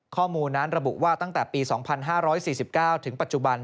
ข้อมูลนั้นระบุว่าตั้งแต่ปี๒๕๔๙ถึงปัจจุบัน